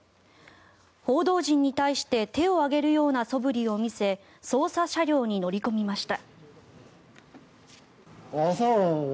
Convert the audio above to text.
報道陣に対して手を上げるようなそぶりを見せ捜査車両に乗り込みました。